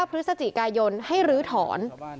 พฤศจิกายนให้ลื้อถอน